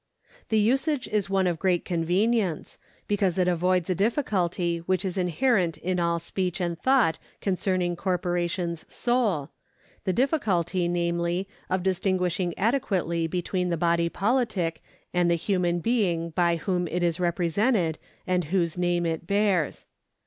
The usage is one of great convenience, because it avoids a difficulty which is inherent in all speech and thought concerning corporations sole, the diflficulty, namely, of dis tinguishing adequately between the body politic and the human being by whom it is represented and whose name it bears.